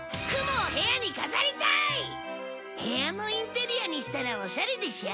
部屋のインテリアにしたらおしゃれでしょ？